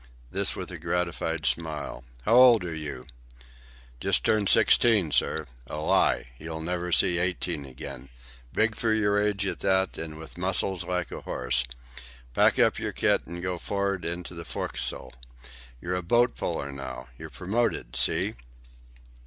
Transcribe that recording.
This with a gratified smile. "How old are you?" "Just turned sixteen, sir." "A lie. You'll never see eighteen again. Big for your age at that, with muscles like a horse. Pack up your kit and go for'ard into the fo'c'sle. You're a boat puller now. You're promoted; see?"